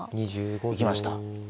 行きました。